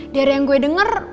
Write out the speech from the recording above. dari yang gue denger